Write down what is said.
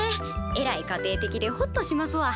えらい家庭的でホッとしますわ。